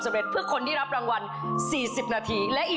ของท่านได้เสด็จเข้ามาอยู่ในความทรงจำของคน๖๗๐ล้านคนค่ะทุกท่าน